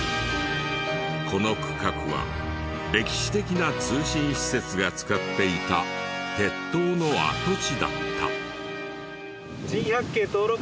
この区画は歴史的な通信施設が使っていた鉄塔の跡地だった。